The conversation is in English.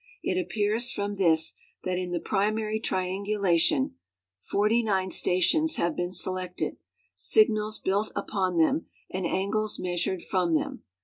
It appears from this that in the primary triangulation 49 stations have been selected, signals built uj)on them and angles measured from them.